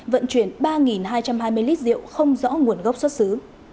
bốn mươi bảy một vận chuyển ba hai trăm hai mươi lít rượu không rõ nguồn gốc xuất xứ